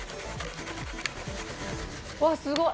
うわすごい！